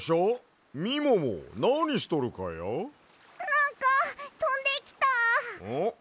なんかとんできた。